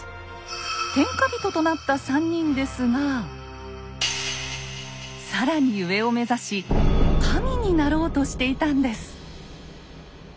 天下人となった３人ですが更に上を目指し「神」になろうとしていたんです。